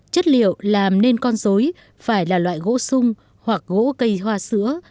chất liệu làm nên con dối phải là loại gỗ sung hoặc gỗ cây hoa sữa